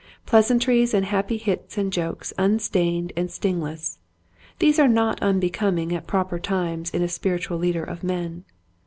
Pleasantries and happy hits and jokes unstained and stingless, these are not unbecoming at proper times in a spiritual leader of men.